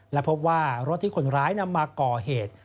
และพบว่ารถที่คนร้ายนำมาก่อเหตุ